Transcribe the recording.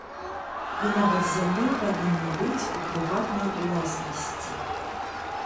І нават зямля павінна быць у прыватнай уласнасці.